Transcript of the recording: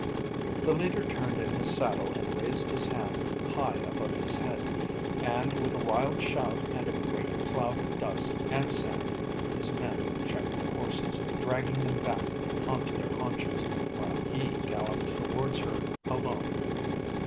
The leader turned in his saddle and raised his hand high above his head, and with a wild shout and a great cloud of dust and sand his men checked their horses, dragging them back on to their haunches, while he galloped towards her alone.